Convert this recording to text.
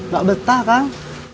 gak betah kang